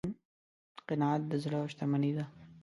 قناعت د زړه شتمني ده.